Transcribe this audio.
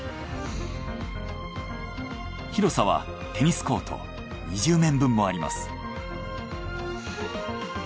広さはテニスコート２０面分もあります。